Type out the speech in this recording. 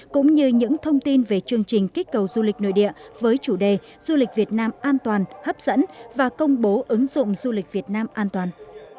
cũng như những thông tin về chương trình kích cầu du lịch nội địa với chủ đề du lịch việt nam an toàn hấp dẫn và công bố ứng dụng du lịch việt nam an toàn